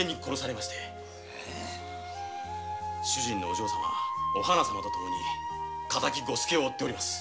お嬢様・お花様とともに敵吾助を追っております。